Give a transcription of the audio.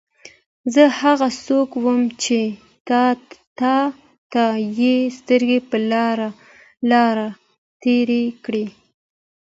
زه هغه څوک وم چې تا ته یې سترګې په لار تېرې کړې.